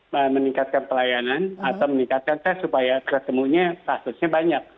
meningkatkan pelayanan atau meningkatkan tes supaya ketemunya kasusnya banyak